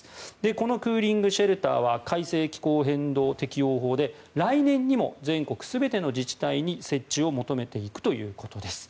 このクーリングシェルターは改正気候変動適応法で来年にも全国全ての自治体に設置を求めていくということです。